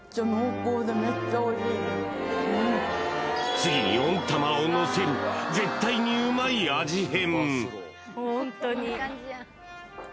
［次に温玉をのせる絶対にうまい味変］